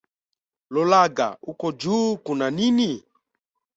Lolaga uko juu kuna nini?